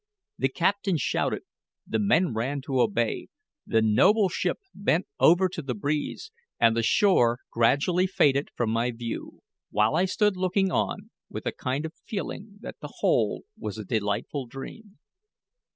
The captain shouted; the men ran to obey; the noble ship bent over to the breeze, and the shore gradually faded from my view; while I stood looking on, with a kind of feeling that the whole was a delightful dream.